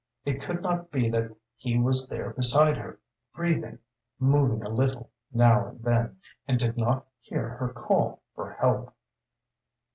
It could not be that he was there beside her, breathing, moving a little now and then, and did not hear her call for help.